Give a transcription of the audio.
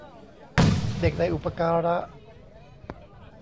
เด็กในอุปการะ